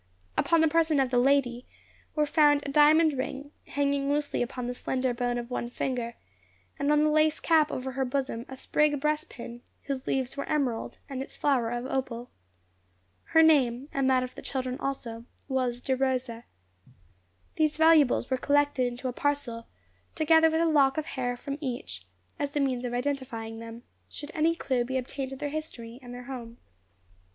Upon the person of the lady were found a diamond ring, hanging loosely upon the slender bone of one finger, and on the lace cape over her bosom a sprig breast pin, whose leaves were emerald, and its flower of opal. Her name, and that of the children also, was De Rosa. These valuables were collected into a parcel, together with a lock of hair from each, as the means of identifying them, should any clue be obtained to their history and their home.